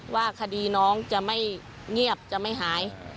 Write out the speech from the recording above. ว่าคดีน้องจะไม่เงียบจะไม่หาย